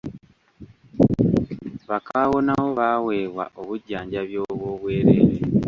Bakaawonawo baaweebwa obujjanjabi obw'obwereere.